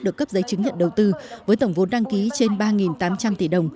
được cấp giấy chứng nhận đầu tư với tổng vốn đăng ký trên ba tám trăm linh tỷ đồng